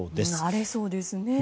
荒れそうですね。